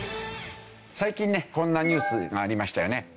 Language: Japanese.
最近ねこんなニュースがありましたよね。